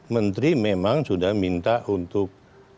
menteri memang sudah minta untuk